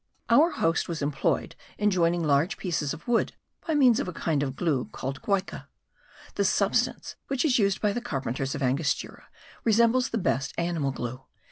Our host was employed in joining large pieces of wood by means of a kind of glue called guayca. This substance, which is used by the carpenters of Angostura, resembles the best animal glue.